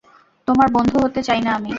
তোমার বন্ধু হতে চাই না আমি।